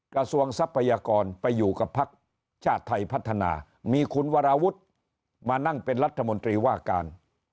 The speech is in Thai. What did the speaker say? ทรัพยากรไปอยู่กับพักชาติไทยพัฒนามีคุณวราวุฒิมานั่งเป็นรัฐมนตรีว่าการ